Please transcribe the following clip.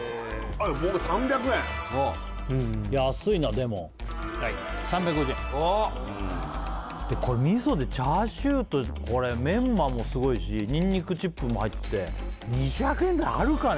僕は３００円安いなでもはい３５０円あっこれ味噌でチャーシューとこれメンマもすごいしニンニクチップも入って２００円であるかね？